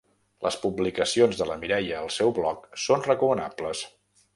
Les publicacions de la Mireia al seu blog són recomanables.